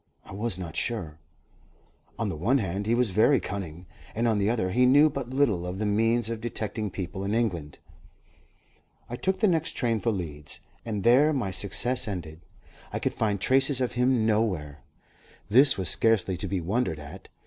I was not sure. On the one hand, he was very cunning, and, on the other, he knew but little of the means of detecting people in England. I took the next train for Leeds, and there my success ended. I could find traces of him nowhere. This was scarcely to be wondered at.